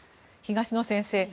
東野先生